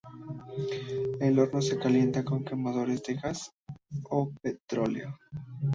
El horno se calienta con quemadores de gas o petróleo.